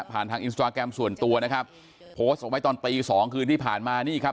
ทางอินสตราแกรมส่วนตัวนะครับโพสต์เอาไว้ตอนตีสองคืนที่ผ่านมานี่ครับ